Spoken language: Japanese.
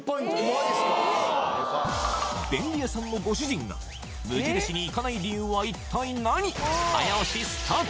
えべんり屋さんのご主人が蒸印に行かない理由は一体何？